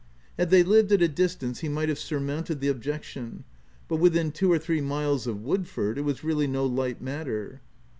Had thev lived at a dis tance, he might have surmounted the objection, but within two or three miles of Woodford, it was really no light matter.